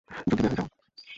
জলদি বের হয়ে যাও।